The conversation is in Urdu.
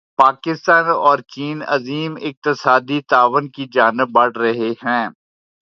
پاکستان اور چین عظیم اقتصادی تعاون کی جانب بڑھ رہے ہیں